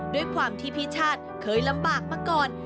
ด้วยความที่พี่ชาติเคยลำบากมาก่อน